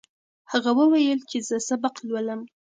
هغه وویل چې زه سبق لولم.